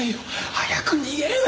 早く逃げるべ！